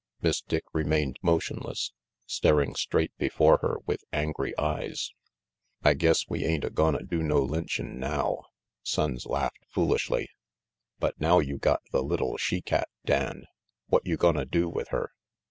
Miss Dick remained motionless, staring straight before her with angry eyes. "I guess we ain't a gonna do no lynchin' now," Sonnes laughed foolishly. "But now you got the little she cat, Dan, what you gonna do with her?"